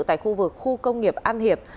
tại khu vực khu công nghiệp an hiệp